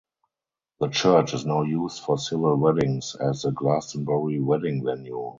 The church is now used for civil weddings as the Glastonbury Wedding Venue.